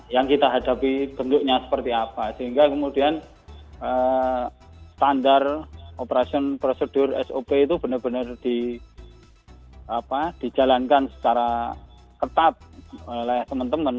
yang kita hadapi bentuknya seperti apa sehingga kemudian standar operasi prosedur sop itu benar benar dijalankan secara ketat oleh teman teman